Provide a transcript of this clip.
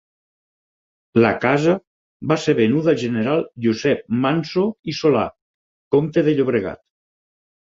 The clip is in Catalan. La casa va ser venuda al general Josep Manso i Solà, comte de Llobregat.